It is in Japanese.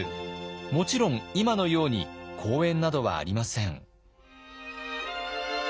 もちろん今のように公園などはありません。